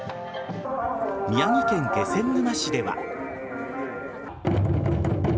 宮城県気仙沼市では。